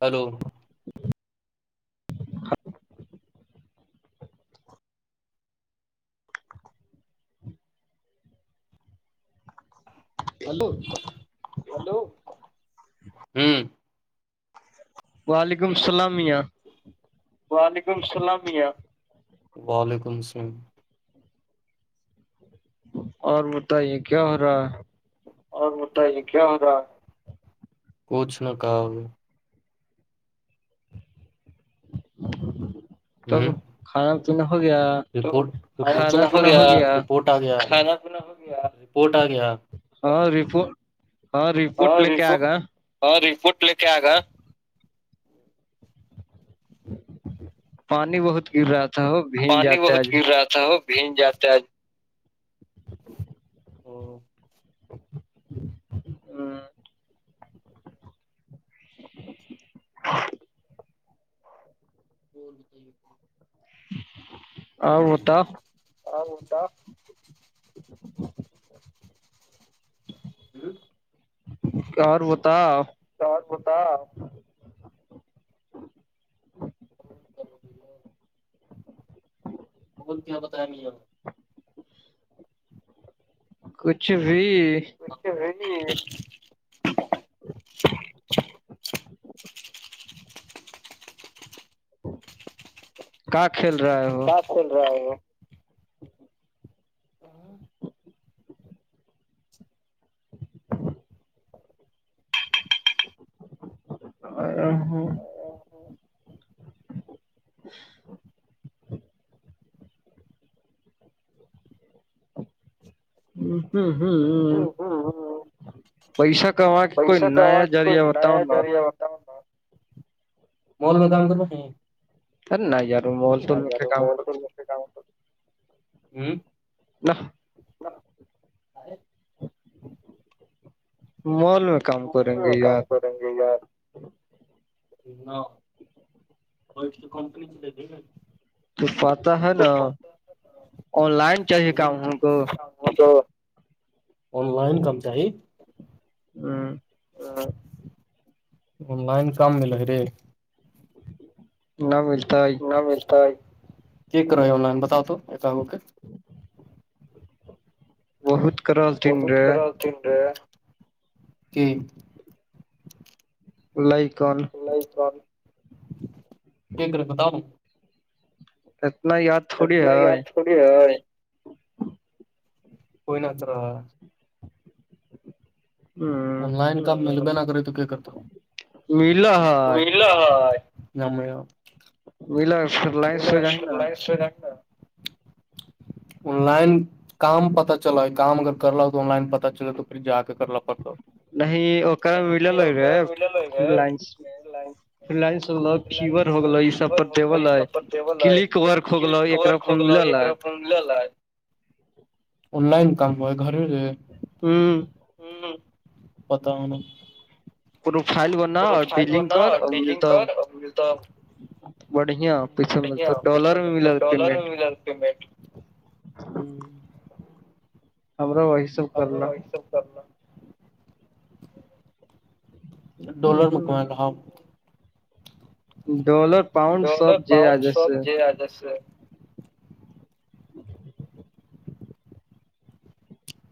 hello اب hello ہوں وعلیکم السلامیاں وعلیکم السلامیا وعلیکم السلام اور بتائیے کیا ہو رہا ہے اور بتائیے کیا ہو رہا کچھ نہ کہا رپٹ ہو گیا رپٹ گیا کھانا پا ہو گیا رپورٹ آ گیا ہاں رپٹ ہاں رپورٹ لے کے آ گا ہاں ریپورٹ لے کے آ گا پانی بہت گر رہا تھا ہو پانی بہت گر رہا تھا وہ بھیگ جاتا ہے ہاں [inaudible] تو اور ہوتا ہٹا ہوں اور بتاؤ بتاا وہ بولتی ہو بت ہے نہیں ہو کچھ بھی اچھا رہ جی کہ کھیل رہا ہے وہ کول رہا ہوںوں [inaudible] ہاں [inaudible] ہاں ہوں ہاں ہاں پیس کا اوج کوئی نیا دریا بتاؤ مول میں کام کر نہیں سرے نہیں ار مول توول میںے کام کر ہوں نہ ار مال میں کام کریں گے یار س نہ وہ تو کمپنی سےلے دی تو پتا ہے نا آن لائن چاہیے کام ان کو آن لائن کام چاہی ہاں آن لائن کام میںل رے نہ ملتا ہے ملتا کیا کرون لائن بتاؤ تو ایک آگو کے بہت کررس بہت کررا دن رے ج لیکن کیک ر تھا اتنا ہی ست ل آیاد تھوڑی ہے کوئی نات رہا آن لائن کام مل نہ کرے تو کیا کرتا ہ ہم بلا لائنس جائ نا نا [inaudible] آن لائن کام پتا چل کام اگر کرلو تون لائن پتا چل توھر جا کے کرلو پرسو نہیں اک ملل رے لچ میں فنس ہوگ فیورور ہوگو یہ سب پر دیول کلک ایک بار ک ہوگلو ایک ر ل ل ن لائن کام گھر ہوں ہوں پتا ہو کو فائل بن پر فائل وور نا ڈیلنگ کر متا بڑھیا پی مل ڈالر میں بھی پیمٹ ہوں ہمرا وہی سب کرنا ڈولر مکما ہا ڈالر پاؤنڈ سب ج آ جیس آجس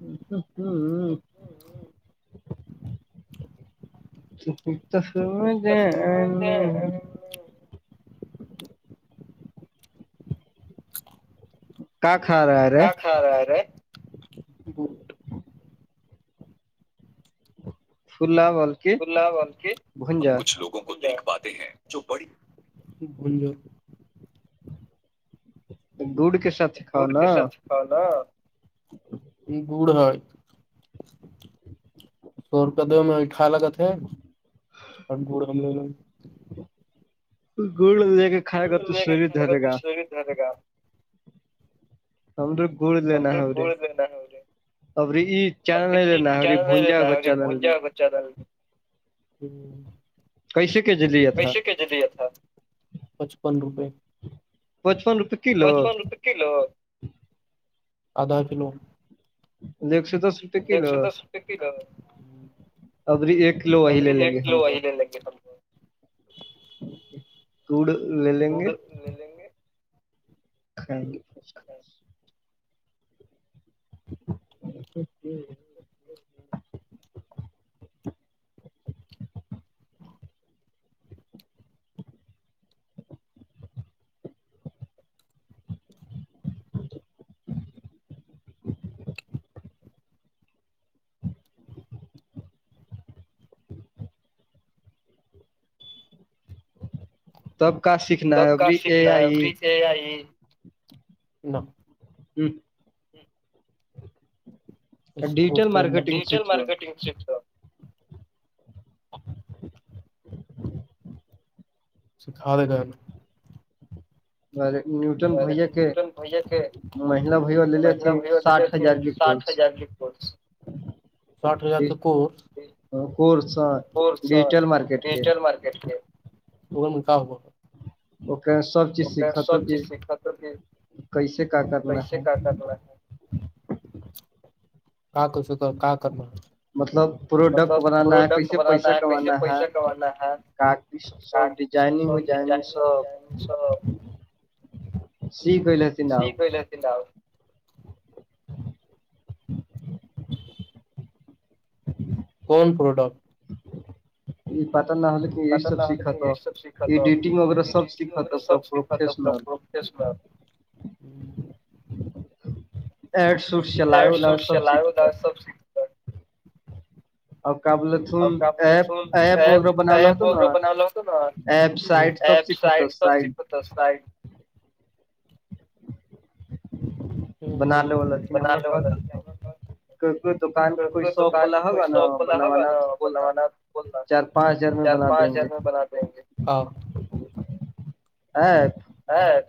ہ ہ ہ اچا تو ف میں د ک کھا رہا ہے ارے ہاں ر رہے فلا بول ہم کچھ لوگوں کو دیکھ پاتے ہیں جو بڑی گوڑ کےش گڑ کے ساتھ کھاؤ نا گڑ سو روپئے دو میں کھا لگا تھے اور گا ل لے کے کھائے گا تو شری ڈرے گا ہنڈریڈ پورے دینا ہے انھیں اری یہ چانلاری بھونجت چل جدہ ہ [unintelligible] پیسے کے دے دیا تھا پچپن روپئے پچپن روپئے پچپن روپے کلو آدھا کلو دیکگ س تو ایک سےدشتا دس روپے کلو ابری ایک کلو وہی لے لیں گے ہم کو گڑ لے لیں گے خ [inaudible] س [inaudible] تب کا سیکھنا ہے ابری اے آئی یہئی [unintelligible] ہ [inaudible] ڈیجیٹل مارکٹنگ سکھا د کرن [unintelligible] اورر نیوٹن بھیا کہ مہلا بھیا لےے تھ ساٹھ ہزار کی کورس ساٹھ ہزار تو کو ڈجٹل مارکیٹ کے ف کا ہو اک سب چیز سکھت کہ کیسے کا کرنا ہے ک کر سو کر ک کرم مطلب پروڈکٹ بنانا ہے کیسے پیسہ کمانا ہے کاپی سب سب ڈیزائنگ وجنگ سب سی کلے شی بل ت لا ہوم پروڈکٹ پتا میںیک یہی سب سیکھا تھا ایڈیٹنگ وغیرہ سب سیکھا تھا یس میم [unintelligible] ایڈ س چلا ولا سب سیکھا سب سے [unintelligible] اور کابل [unintelligible] س ایپ ایپ وغہ بنا ہوت نا ایپ سائٹ سب سکھتا سٹ تو سائڈ [unintelligible] بنا لوالا ت ن ہم کیا چتے کوئی کوئی دکان کوئی شاپ والا ہوگا نا بنوانا تو بولنا چار پانچ ہزار میں بنا دیں گے ہاں [inaudible] ہاں [inaudible]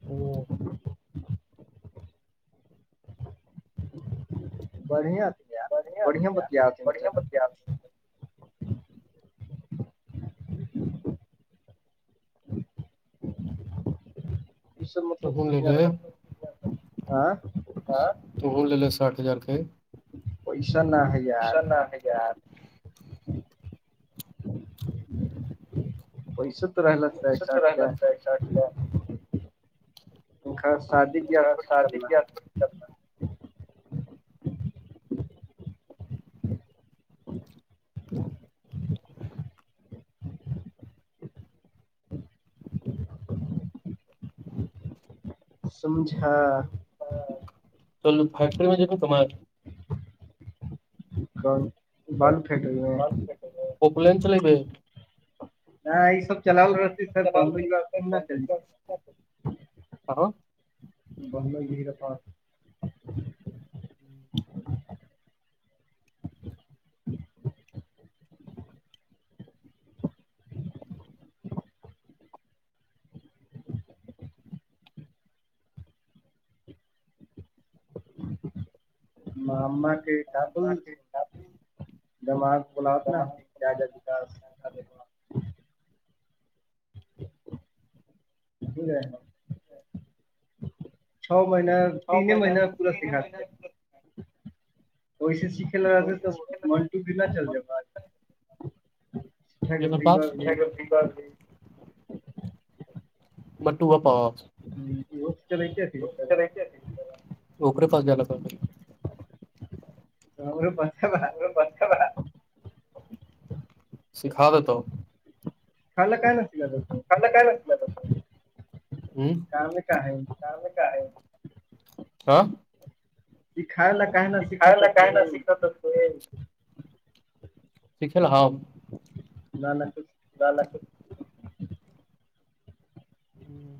ہ [inaudible] بڑھیا تھی یار بڑھیا بتیا ت چل تو کوون ل ل تو کوون ل ل ساٹھ ہزار کا شا نہ ہے گیار پیس تو رہلا ج ہے شاٹ د شادی بیا تھوڑی چل رہا ہے ہ [inaudible] [inaudible] سمجھا چل فیکٹری مج تمار کون بالب پھینک رہی ہیں پکلین چلائی نہ یہ سب چلاؤول رہتی سر بند ہوا نہ چلی جائے ہاں بنا گیرا پاس ہوں ہاں مما کے کہ بول دماغ بلاتنا ہوتی زیادہ وکا کر ہے چھ مہینہ تیننے مہینہ پورا سیککھاتی وسےچی کل رہا سے تو منٹو بھی نہ چل جاا بھی ٹھیکات جی مٹو کاا پاؤ وہ چل کیا اوکرے پاس پس کر سکھا دی تو کل کا نا آ تھار کا کا نل تھا کام میں کہ ہے کا ہاں سکھالا کہیں نا سیککھتا ہو سیکھلا نہ نہ ک ب ال ہوں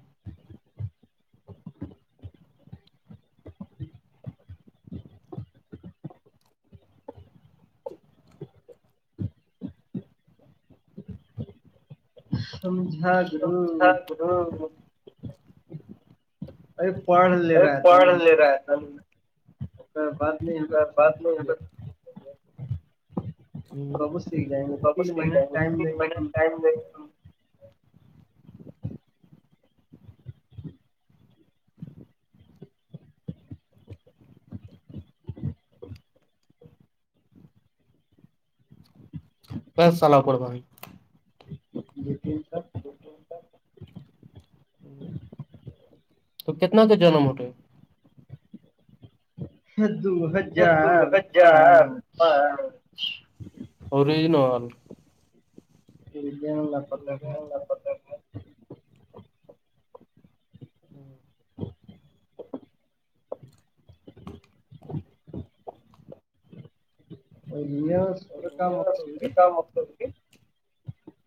ج [inaudible] ا پن لے رہا ہے بعد بات نہیں ہے وپس جائ پھر میں نے ٹائم [inaudible] بس چح پڑ باھائی تین تو کتنا کے جنم ہوتے دوو دو ہزار پانچ اورریجنال ان پتا جیا نہیں کیاا مت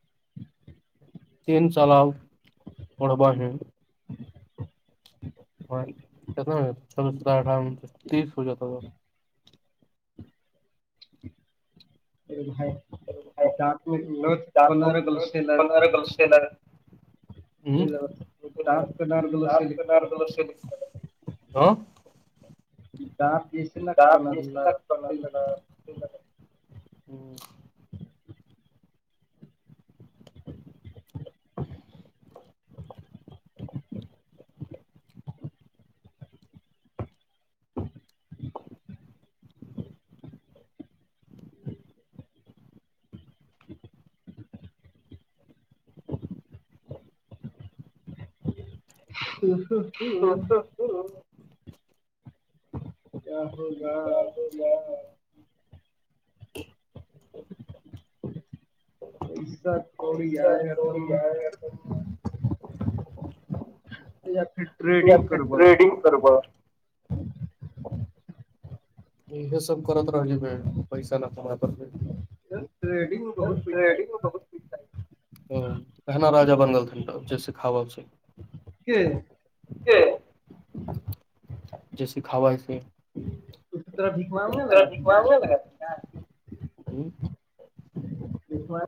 [inaudible] تین چلاؤ پڑبا ہے [inaudible] تنا سترہ اٹھارہ تیس ہو جاتا تھا بھائی د میںنر گل سےل ہے کرن بسل دپ جیسے ن کنا اللہ [unintelligible] [inaudible] [inaudible] [inaudible] [inaudible] [inaudible] [unintelligible] کیا ہوگا [unintelligible] اچ [inaudible] اس س تھوڑی آئے کم [unintelligible] پھر ٹریڈنگ کربا [unintelligible] کربا [unintelligible] یہ سب کرت رہے ہ پیسہ نہ پابر میں [inaudible] [inaudible] ریڈن بہت نا راا بن گ جیسےاا [unintelligible] [inaudible] [unintelligible] [inaudible] [unintelligible] جیسے کاواے دکھو ہوا لگا [unintelligible] [inaudible] [unintelligible]